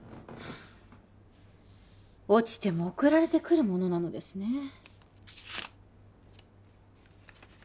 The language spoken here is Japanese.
落ちても送られてくるものなのですね